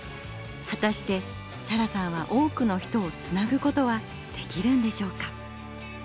果たしてサラさんは多くの人をつなぐことはできるんでしょうか？